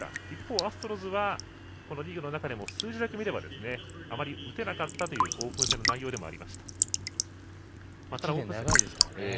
一方アストロズはリーグの中でも数字だけ見ればあまり打てなかったというオープン戦の内容でもありました。